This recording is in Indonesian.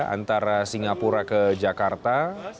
antara singapura ke jakarta